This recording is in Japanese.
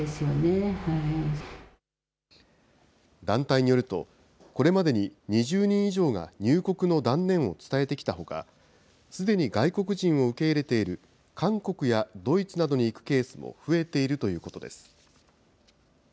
団体によると、これまでに２０人以上が入国の断念を伝えてきたほか、すでに外国人を受け入れている韓国やドイツなどに行くケースも増えているということです。